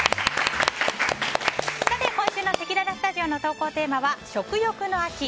今週のせきららスタジオの投稿テーマは食欲の秋！